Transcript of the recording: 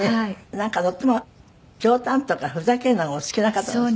なんかとっても冗談とかふざけるのがお好きな方なんですって？